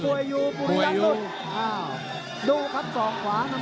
บวยอยู่บวยอยู่ดูครับสองขวาน้ำพลเล็ก